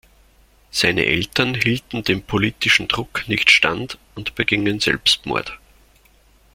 Seine Eltern hielten dem politischen Druck nicht stand und begingen Selbstmord.